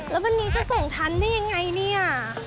แล้ววันนี้จะส่งทันได้ยังไงเนี่ย